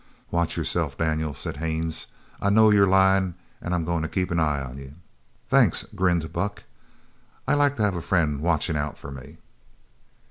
"Watch yourself, Daniels," said Haines. "I know you're lying and I'm going to keep an eye on you." "Thanks," grinned Buck. "I like to have a friend watchin' out for me."